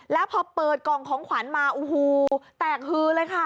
แล้วพอเปิดกล่องของขวัญมาโอ้โหแตกฮือเลยค่ะ